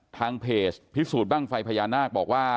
ทางเพจพิสูจน์บ้างไฟพญานาคบอกว่า